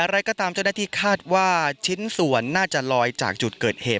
อะไรก็ตามเจ้าหน้าที่คาดว่าชิ้นส่วนน่าจะลอยจากจุดเกิดเหตุ